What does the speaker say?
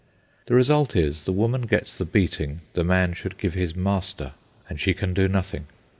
The result is, the woman gets the beating the man should give his master, and she can do nothing.